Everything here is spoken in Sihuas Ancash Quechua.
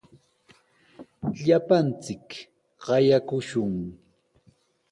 Llapanchik qayakushun.